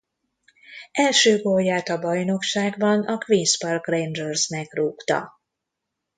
Első gólját a bajnokságban a Queens Park Rangersnek rúgta.